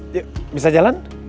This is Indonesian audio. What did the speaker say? yuk bisa jalan